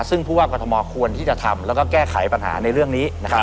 ซึ่งผู้ว่ากรทมควรที่จะทำแล้วก็แก้ไขปัญหาในเรื่องนี้